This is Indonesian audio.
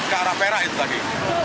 ke arah perak itu lagi